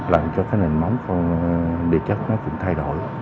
làm cho cái nền móng địa chất nó cũng thay đổi